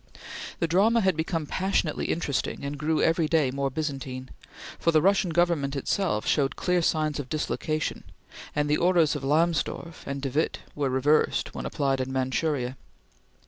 The drama had become passionately interesting and grew every day more Byzantine; for the Russian Government itself showed clear signs of dislocation, and the orders of Lamsdorf and de Witte were reversed when applied in Manchuria.